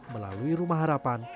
melalui rumah harapan